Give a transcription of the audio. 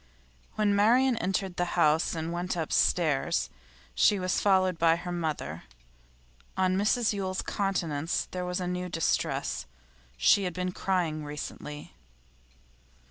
When Marian entered the house and went upstairs, she was followed by her mother. On Mrs Yule's countenance there was a new distress, she had been crying recently.